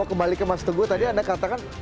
kembali ke mas teguh tadi anda katakan